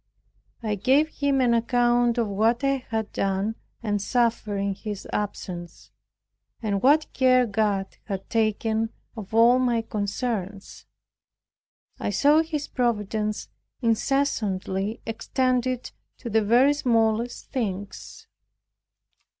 I gave him an account of what I had done and suffered in his absence, and what care God had taken of all my concerns. I saw his providence incessantly extended to the very smallest things.